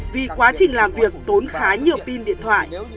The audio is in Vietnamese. vì quá trình làm việc tốn khá nhiều